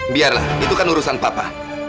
biarlah itu kan urusan papa